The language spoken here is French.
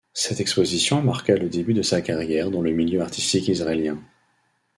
Cette exposition marqua le début de sa carrière dans le milieu artistique israélien.